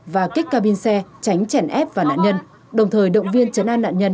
và kích ca bin xe tránh chèn ép và nạn nhân đồng thời động viên chấn an nạn nhân